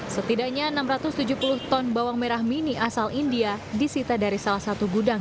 setidaknya enam ratus tujuh puluh ton bawang merah mini asal india disita dari salah satu gudang